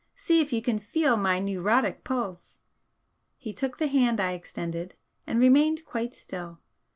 "See if you can feel my 'neurotic' pulse!" He took the hand I extended and remained quite still.